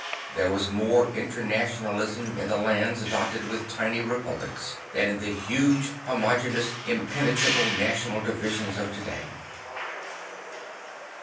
There was more internationalislll in the lands dotted with tiny republics than in the huge homogeneous impene trable national divisions of to day.